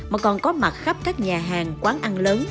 mà còn có mặt khắp các nhà hàng quán ăn lớn